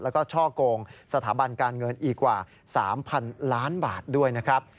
แล้วก็ช่อกงสถาบันการเงินอีกกว่า๓๐๐๐ล้านบาทด้วยนะครับ